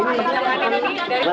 berarti ini pak